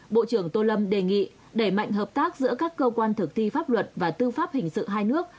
bộ trưởng tô lâm đề nghị đẩy mạnh hợp tác giữa các cơ quan thực thi pháp luật và tư pháp hình sự hai nước